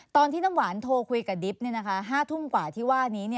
ตอนที่น้ำหวานโทรคุยกับดิบ๕ทุ่มกว่าที่ว่านี้